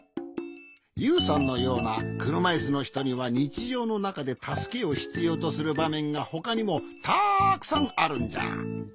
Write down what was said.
ユウさんのようなくるまいすのひとにはにちじょうのなかでたすけをひつようとするばめんがほかにもたくさんあるんじゃ。